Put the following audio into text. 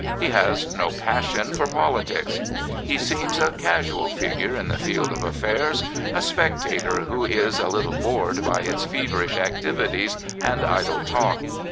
He has no passion for politics. He seems a casual figure in the field of affairs, a spectator who is a little bored by its feverish activities and idle talk.